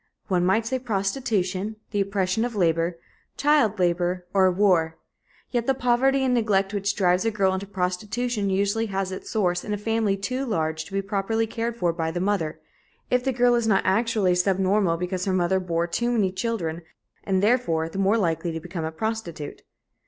One might say prostitution, the oppression of labor, child labor, or war. Yet the poverty and neglect which drives a girl into prostitution usually has its source in a family too large to be properly cared for by the mother, if the girl is not actually subnormal because her mother bore too many children, and, therefore, the more likely to become a prostitute.